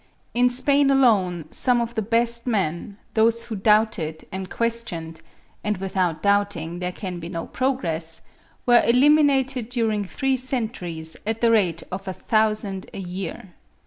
In Spain alone some of the best men—those who doubted and questioned, and without doubting there can be no progress—were eliminated during three centuries at the rate of a thousand a year.